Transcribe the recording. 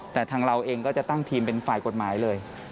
แต่ทางเราเองก็จะตั้งทีมเป็นฝ่ายกฎหมายเลย